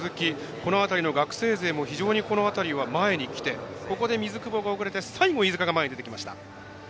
この辺り、学生勢、前にきてここで水久保が遅れて最後、飯塚が前に出てきました。